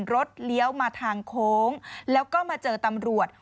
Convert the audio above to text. เลี้ยวมาทางโค้งแล้วก็มาเจอตำรวจ